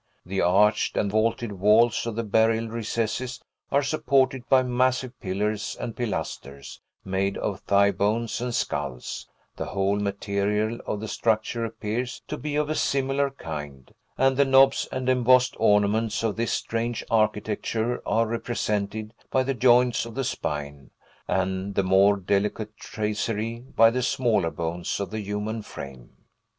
The arched and vaulted walls of the burial recesses are supported by massive pillars and pilasters made of thigh bones and skulls; the whole material of the structure appears to be of a similar kind; and the knobs and embossed ornaments of this strange architecture are represented by the joints of the spine, and the more delicate tracery by the Smaller bones of the human frame.